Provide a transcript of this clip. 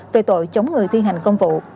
về tội chống người thi hành công vụ